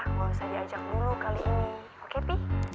nggak usah diajak dulu kali ini oke pi